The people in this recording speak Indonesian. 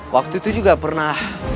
waktu itu juga pernah